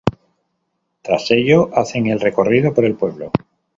Tras ello, hacen el recorrido por el pueblo.